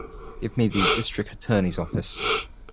Give me the District Attorney's office.